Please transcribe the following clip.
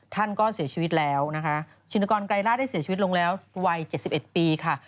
ท่านก็เสียชีวิตแล้วนะคะชินกรไกรราชได้เสียชีวิตลงแล้ววัย๗๑ปีค่ะ